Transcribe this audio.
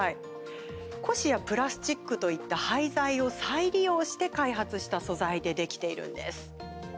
古紙や、プラスチックといった廃材を再利用して開発した素材でできているんです。